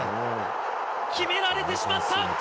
決められてしまった！